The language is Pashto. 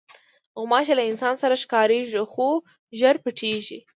غوماشې له انسان سره ښکارېږي، خو ژر پټېږي.